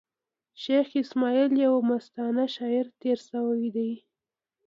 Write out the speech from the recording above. شېخ اسماعیل یو مستانه شاعر تېر سوﺉ دﺉ.